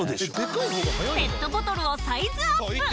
ペットボトルをサイズアップ